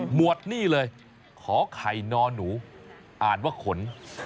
วดนี่เลยขอไข่นอนหนูอ่านว่าขน